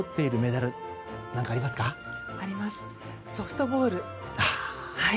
ソフトボール。